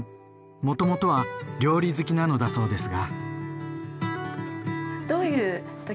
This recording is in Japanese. もともとは料理好きなのだそうですが。